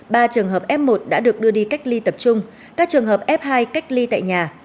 ba trường hợp f một đã được đưa đi cách ly tập trung các trường hợp f hai cách ly tại nhà